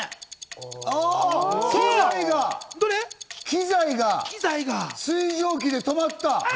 機材が水蒸気で止まった？